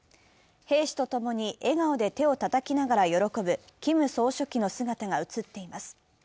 兵士とともに笑顔で手をたたきながら喜ぶキム総書記の姿が写っています。